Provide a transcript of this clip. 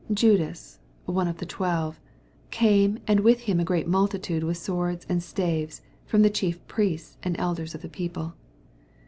Judas, one of the twelve, came, ana with him a great multitude with Awords and staves, from the Chief Priests and elders of the people.